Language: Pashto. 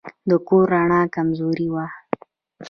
د کور رڼا کمزورې وه.